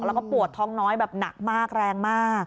แล้วก็ปวดท้องน้อยแบบหนักมากแรงมาก